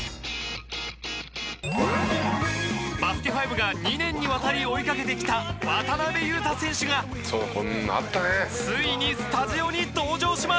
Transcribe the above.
『バスケ☆ＦＩＶＥ』が２年にわたり追いかけてきた渡邊雄太選手がついにスタジオに登場します！